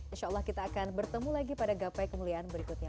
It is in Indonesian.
insya allah kita akan bertemu lagi pada gapai kemuliaan berikutnya